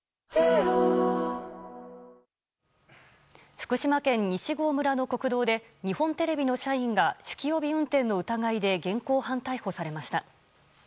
福島県西郷村の国道で日本テレビの社員が酒気帯び運転の疑いで現行犯逮捕されました。